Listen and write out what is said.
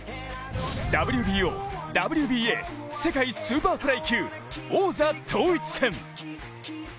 ＷＢＯ・ＷＢＡ世界スーパーフライ級王座統一戦。